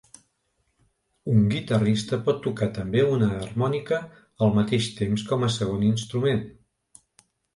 Un guitarrista pot tocar també una harmònica al mateix temps com a segon instrument.